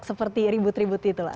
seperti ribut ribut itu